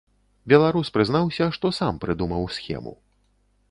Беларус прызнаўся, што сам прыдумаў схему.